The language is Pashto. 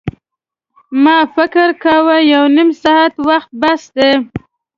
ما فکر کاوه یو نیم ساعت وخت بس دی.